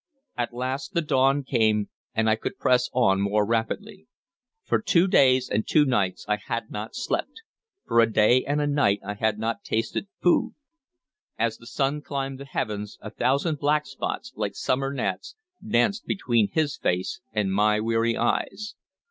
At last the dawn came, and I could press on more rapidly. For two days and two nights I had not slept; for a day and a night I had not tasted food. As the sun climbed the heavens, a thousand black spots, like summer gnats, danced between his face and my weary eyes.